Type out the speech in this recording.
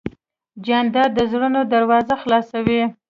جانداد د زړونو دروازه خلاصوي.